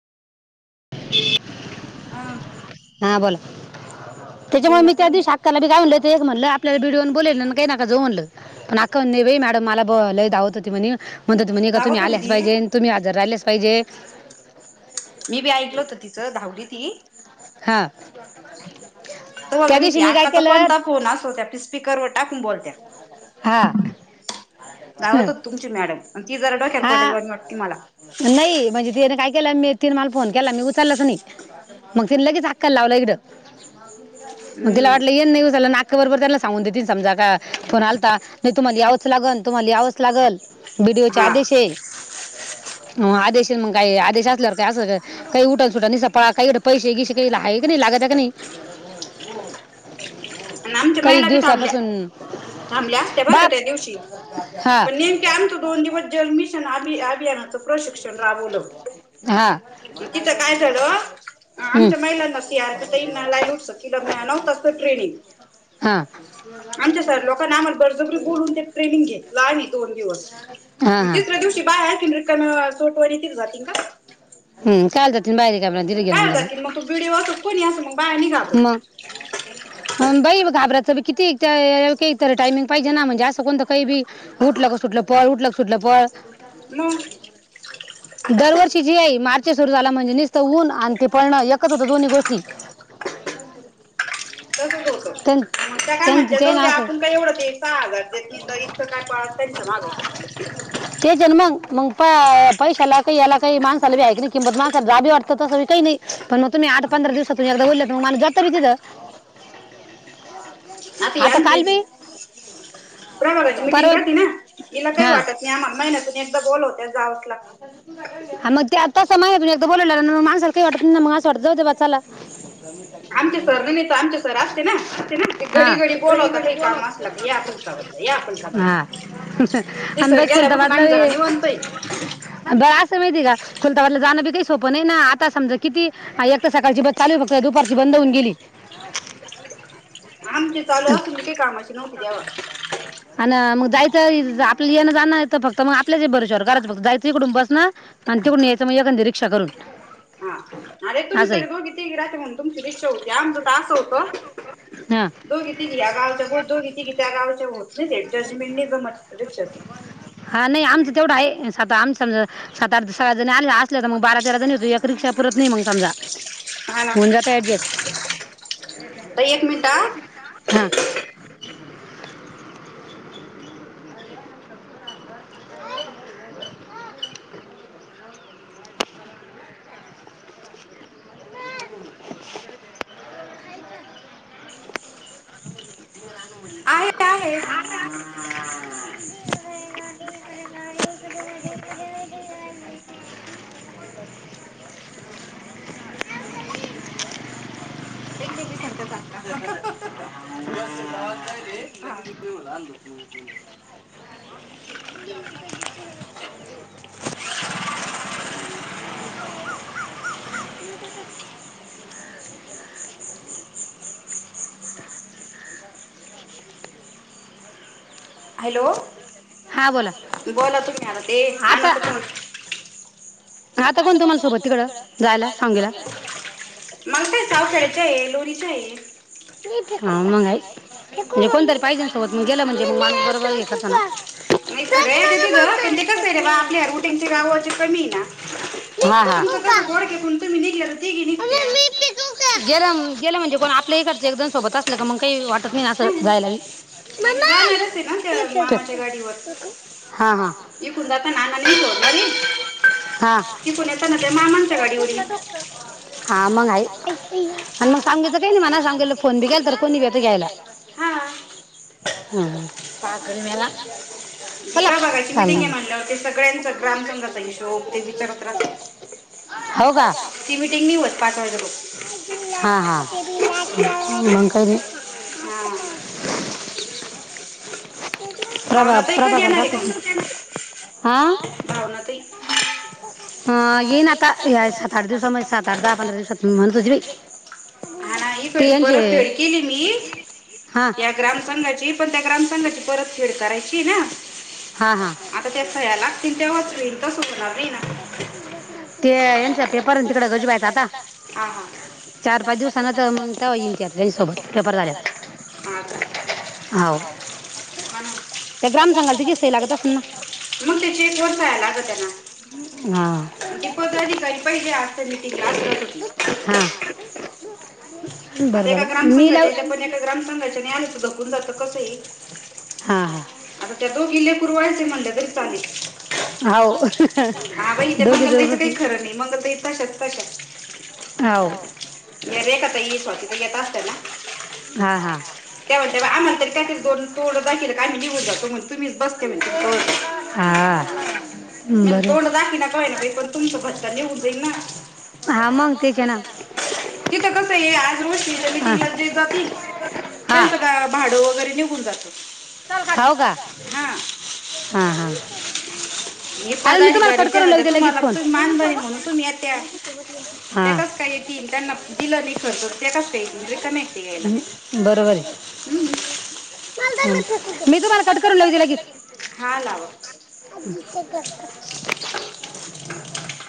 ह हा हा बोला त्याच्यामुळे बोला मी त्या तुम्ही दिवशी अक्काला बी गावल तेच म्हणलं आपल्याला बिडीओन बोलवलं काही नका जाऊ म्हणलं पणं अक्का म्हणे नाही बाई मॅडम मला लई धावत होती म्हणे म्हणत होती म्हणे का तुम्ही दावत होती आल्याच पाहिजे ती तुम्ही हजर राहिल्याच पाहिजे मी बी ऐकलं होत तिचं धावली ती हा तवाच त्या व्हय दिवशी ती मी काय आकाचा केलं कोणता ही फोन असो त्या स्पीकरवर टाकून बोलत्या हा धावत होती तुमची मॅडम आणि ती जरा डोक्यावर हा पडलेली वाटती मला नाही म्हणजे त्याने काय केलं तीनं माला फोन केला मी उचलाच नाही मग तिनं लगेच आक्काल लावला इकडे. मग तिला हम्म वाटलं येन नाही ऊसाला नाक बरोबर त्याला सांगून देतील समजा का फोन आ नाही तुम्हाला यावंच लागल तुम्हाला यावंच लागल बी डी ओ चे हा आदेश आणि आहे. आदेश मग काय आदेश असल्यावर काय असं काही उठा सुट निसता पळा काही पैसे गिसे काही आहे की नाही लागता की नाही. नाम काही दिवसापासून थांबले असते बर का बाप त्या दिवशी हा पण नेम ते आमचं दोन दिवस जल मिशन अभि अभियानाचं प्रशिक्षण राबवलं. हा तिथं काय झालं? हम्म आमच्या महिलांना सी आर पी ताईनां [unintelligible] नव्हतास तो ट्रेनिंग. हां, आमच्या सर लोकांन आम्हाला बरजबरी बोलून ट्रेनिंग घेतलं आणि दोन दिवस. हा हा तिसऱ्या दिवशी ची बाया आहे रिकाम्या सोट वर येतीन जातीन का? हम्, काहाल जातील बाया रिकाम्या तिथं दिणं घेणं बी डी ओ असो कोणी असो बाया नाही घाबरत. [unintelligible] अन् बाई घाबराचं बी किती त्या कायतरी टायमिंग पाहिजे ना, म्हणजे असं कोणतं काही बी उठलं क सुटलं पळ, उठलं क सुटलं पळ मग [unintelligible] दरवर्षी जी आहे मार्च सुरू झाला म्हणजे निसतं ऊन आणि ते पळणं एकच होतं दोन्ही गोष्टी. तसच होतं. त्यांन मग त्या काय म्हणतात जाऊ दे आपण का एवढं ते सहा हजार देतील तर इतकं काय पाळत त्यांच्या माग तेच आहेन मग, मग पा पैशाला काही याला काही माणसाला बी आहे कि नाही किंमत, माणसाला रा बी वाटतं तसं काही नाही. पण मग तुम्ही आठ पंधरा दिवसातून एकदा बोलेत मग माणूस जात बी तिथं. आता काल याणखी बी [unintelligible] मिटिंग परवा राते ना, इला काय हा वाटत ये आम्हाला महिन्यातून एकदा बोलव हा मग त्यात तस महिन्यातून एकदा बोलवलावर मग माणसाला काही वाटत नाही मग असं वाटत जाऊ दे बा चाला. आमचे सर बी नेता. आमचे सर असते ना, ते हा घडी घडी बोलवतातही काम असला कि या तुलचा बदला या तुलता बदला हा ते आणि सर बाई गेल्यापासून आम्ही जरा निवांत हे. बर असं माहिती आहे का खुलताबादला जाणं बी काही सोपं नाही ना, आता समजा किती हा एक त सकाळची बस चालू फक्त, दुपारची बंद होऊन गेली. आमची चालू आणि असून बी काही कामाची नव्हती तेव्हा. अन् मग जायचं आपलं येनं जाणा येतो फक्त मग आपल्याच भरोशावर घरात फक्त जायचं इकडून बसन आणि तेिकडून यायचं मग एकांदी रिक्षा करून. हा, अरे तुम्ही असंही तरी दोघी तीघी राहते म्हणून तुमची रिक्षा होती आमचं त असं होतं ह, दोघीतीघी या गावच्या बोल दोघीतीघी त्या गावच्या बोल ते जजमेंट नाही जमत रिक्षातून. अ नाही आमचं तेवढं आहे. साता आम स सात आठ सगळ्या जणी आल्या असल्या तर मग बारा तेरा जणी होतो. एक रिक्षा पुरत नाही मग समजा. हा ना होऊन जाते ऍडजस्ट. तर एक मिनिट हा. हा, [unintelligible] आहे आहे [inaudible] [inaudible] [inaudible] [inaudible] [inaudible] हॅलो, हा बोला, बोला तुम्ही आता, ते आण्णा आता चा कॉल आता कोण तुम्हाला सोबत तिकडं जायला सांगलीला? मग काय सावखेड्याच्या आहे, लोहरीच आहे. हाव मंग आईक [unintelligible] माणूस बरोबर हे करताना नाई सगळ्या येत्याती ग पण ते कस आहे रे बा आपल्या रुटीनच्या गावाचे कमी ये ना हां आ तुमचं कस हां गोडक्यातून तुम्ही निघल्या त तीघी निघत्या गेलं गेलं म्हणजे कोण आपल्या हीकडचं एकदम सोबत असलं का मग काही वाट नाही मी जाणारच आहे ना त्या मामाच्या गाडीवर. हा हा, इकडून जातांन आण्णा नेऊन सोडणारे हा. तिकुण येताना त्या मामाांच्या गाडी वर इल. हा मग हाय, अन हा. मग सांगायच काय नाय मला सांगेल फोन बी केलता तर कुणी बी येत घ्यायला, हा हा. प्रभागाची मीटिंग ये म्हनल्यावर ते सगळ्यांच ग्राम संंघाचा हिशोब ते विचारत राहत्यात. होय का? ती मिटिंग नी होत पाच वाजेस्तोर. हा हा, मंग काय नी? हा [inaudible] प्रभा भावनाताई कधी प्रभागाला येणार आहे राहते पण की, हां? भावनाताई अ येईन आता या सात आठ दिवसा मध्ये सात, आठ, दहा, पंधरा दिवसात म्हणत हुती बाई. हा नाही थोडी परत फेड केली मी हां. या ग्रामसंघाची, पण त्या ग्रामसंघाची परत फेड करायचीय ना? हा हा. आता त्या सह्या लागतील तेव्हाच होईल तस होणार नाही ना. ते यांचा पेप हा हा. हा चार पाच दिवसानं तर मग तेव्हा येईन ती आता त्यांच्यासोबत पेपर झाल्या का? हो हौ, हा ना. त्या ग्राम सांगाल तिची सही लागत असेल ना मग त्या चेक वर सह्या लागत्या ना. हा. ती पद आधिकरी पहिल्या आजच्या ते मीटिंगला फिरत होती. हां, बरं बरं मी लावू ते ग्रामसंंघाच्या आणि आमच खपून जातं, कसं ये हा हा, आता त्या दोघी लेकरू वाळीच ये म्हणल्या तरी चालेल. हा हो हा बई त्या दोघी जण मंगलताईनच काय तसं खरं नाही मंगलताई तशाच. हो या रेखा ताई, स्वाती ताई येत असत्याल ना हा हा त्या म्हणत्यात आम्हाला तरी त्यातील दोन तोळ [unintelligible] तुमही बसते मन ते हा [unintelligible] म्हणजे बरं तोंड दाखीना का होईना पण तुमचा भत्ता लेऊन जाईल ना. हा मग तेच आहे ना [unintelligible] इथे कसा आहे. वाशीच्या हा मीटिंगला जे जातील हा त्यांचं काय भाड वगैरे निघून जातं. हो का? हां हा हा... मी चालेल पदारी तुम्हाला घरी कट करून ठेवा ते लावते लगेच तुम्हाला फोन मान बणी म्हणून तुम्ही या त्या. त्या हा कास काय येतील त्यांना दिल नि खतो ते कास काय येतील रिकमेंट ते यायला. बरोबर आहे [unintelligible] हम्म.... मी तुम्हाला कट करून लावते लगेच. हा लावा. [unintelligible]